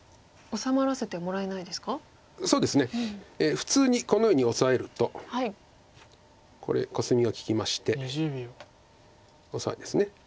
普通にこのようにオサえるとこれコスミが利きましてオサエです。